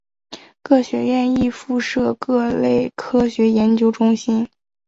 各学院亦附设各类科学研究中心。